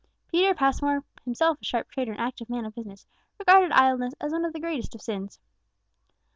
Peter Passmore, himself a sharp trader and active man of business, regarded idleness as one of the greatest of sins.